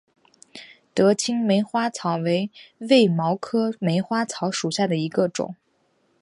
德钦梅花草为卫矛科梅花草属下的一个种。